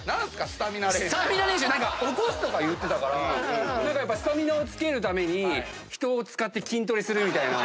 「スタミナ練習」起こすとか言ってたからやっぱスタミナをつけるために人を使って筋トレするみたいな。